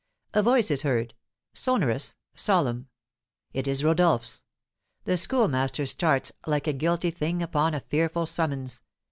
A voice is heard sonorous solemn. It is Rodolph's. The Schoolmaster starts "like a guilty thing upon a fearful summons."